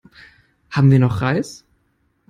Haben wir noch Reis?